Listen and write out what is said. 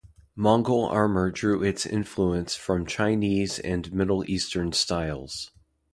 Mongol armour drew its influence from Chinese and Middle Eastern styles.